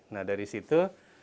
nah dari situ